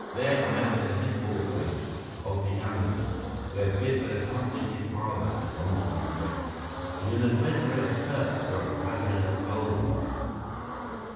They had met at the headwaters of the Amazon, where Biff had accompanied his father, Thomas Brewster, in an adventurous search for a fabulous gold mine.